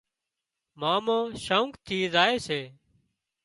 مامو شوق ٿي زائي سي